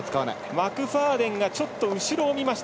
マクファーデンがちょっと後ろを見ました。